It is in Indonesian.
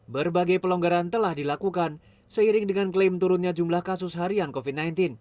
berbagai pelonggaran telah dilakukan seiring dengan klaim turunnya jumlah kasus harian covid sembilan belas